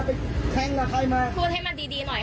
พูดให้มันดีหน่อย